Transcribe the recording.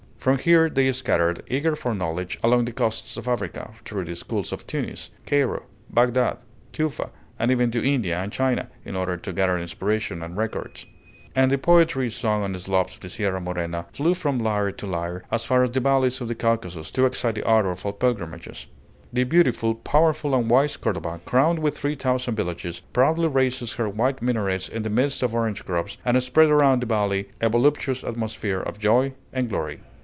From here they scattered, eager for knowledge, along the coasts of Africa, through the schools of Tunis, Cairo, Bagdad, Cufa, and even to India and China, in order to gather inspiration and records; and the poetry sung on the slopes of the Sierra Morena flew from lyre to lyre, as far as the valleys of the Caucasus, to excite the ardor for pilgrimages. The beautiful, powerful, and wise Cordova, crowned with three thousand villages, proudly raised her white minarets in the midst of orange groves, and spread around the valley a voluptuous atmosphere of joy and glory.